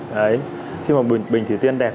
đấy khi mà bình thủy tiên đẹp